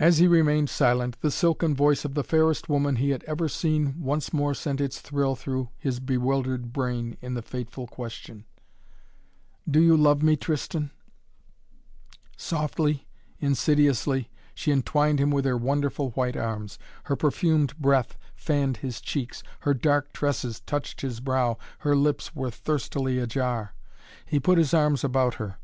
As he remained silent the silken voice of the fairest woman he had ever seen once more sent its thrill through his bewildered brain in the fateful question: "Do you love me, Tristan?" Softly, insidiously, she entwined him with her wonderful white arms. Her perfumed breath fanned his cheeks; her dark tresses touched his brow. Her lips were thirstily ajar. He put his arms about her.